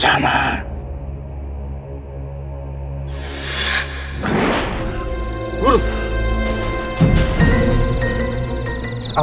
siapa yang ambilnya toda di queen this war